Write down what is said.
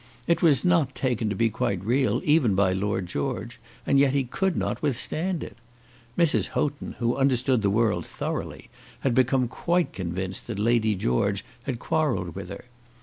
It was not taken to be quite real, even by Lord George; and yet he could not withstand it. Mrs. Houghton, who understood the world thoroughly, had become quite convinced that Lady George had quarrelled with her.